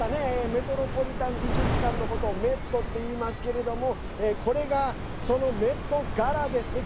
メトロポリタン美術館のことをメットって言いますけれどもこれが、そのメットガラですね。